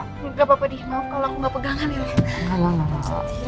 nggak apa apa dih maaf kalau aku nggak pegangan ya